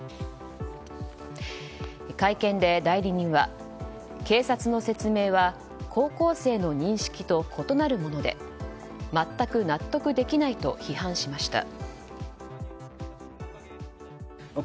会見で代理人は警察の説明は高校生の認識と異なるもので全く納得できないと批判しました。